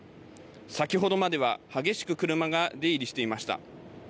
先ほどまでは激しく車が出入りしていました。